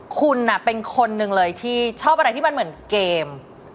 คุณเป็นคนหนึ่งเลยที่ชอบอะไรที่มันเหมือนเกม